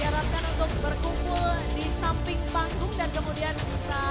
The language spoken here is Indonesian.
diharapkan untuk berkumpul di samping panggung dan kemudian bisa